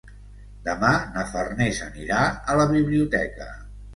Demà na Farners anirà a la biblioteca.